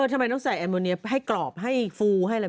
ทำไมต้องใส่แอนโมเนียให้กรอบให้ฟูให้อะไร